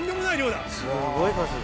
すごい数。